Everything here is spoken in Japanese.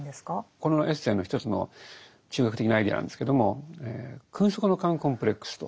このエッセイの一つの中核的なアイデアなんですけども「君側の奸コンプレックス」と。